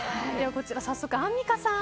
こちら、早速アンミカさん